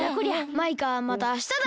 マイカまたあしただ。